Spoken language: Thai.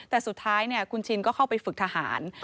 แต่สุดท้ายคุณชินก็เข้าไปฝึกทหาร